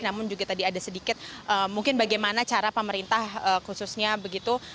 namun juga tadi ada sedikit mungkin bagaimana cara pemerintah khususnya begitu